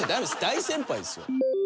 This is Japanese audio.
大先輩ですよ。